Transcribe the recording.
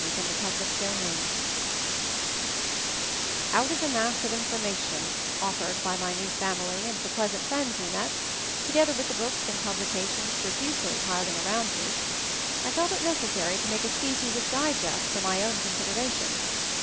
MOVING THE MOUNTAIN 123 CHAPTER VI OUT of the mass of information of fered by my new family and the pleasant friends we met, together with the books and publications profusely piling around me, I felt it necessary to make a species of digest for my own consideration.